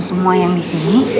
semua yang disini